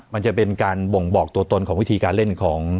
มันจะเป็นการบ่งบอกตัวตนของวิธีการเล่นของ